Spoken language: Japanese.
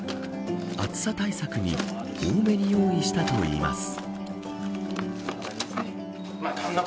暑さ対策に多めに用意したといいます。